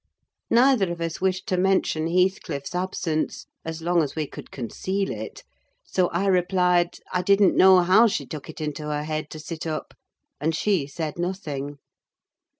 Neither of us wished to mention Heathcliff's absence, as long as we could conceal it; so I replied, I didn't know how she took it into her head to sit up; and she said nothing.